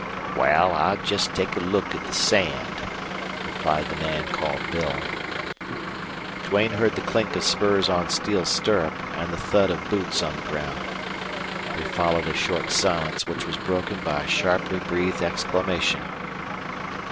"Wal, I'll just take a look at the sand," replied the man called Bill. Duane heard the clink of spurs on steel stirrup and the thud of boots on the ground. There followed a short silence which was broken by a sharply breathed exclamation.